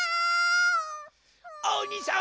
おにさん